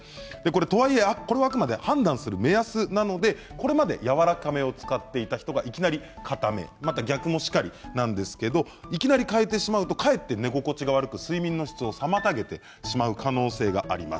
とはいえ、これはあくまでも判断する目安なのでこれまでやわらかめを使っていた人がいきなり、かためまた逆もしかりなんですがいきなり変えてしまうとかえって寝心地が悪く睡眠の質を妨げてしまう可能性があります。